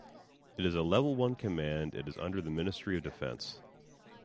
It is a Level.I command and is under the Ministry of Defence.